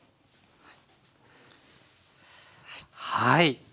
はい。